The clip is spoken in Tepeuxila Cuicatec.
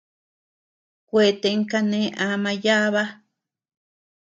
Kueten kane ama yába.